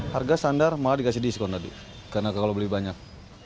harga standar malah dikasih diskon tadi karena kalau beli banyak